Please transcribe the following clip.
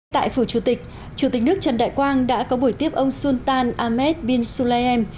tại phủ chủ tịch chủ tịch nước trần đại quang đã có buổi tiếp ông sultan ahmed bin sulliem